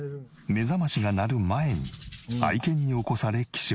目覚ましが鳴る前に愛犬に起こされ起床。